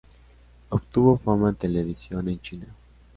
Obtuvo fama en televisión en China.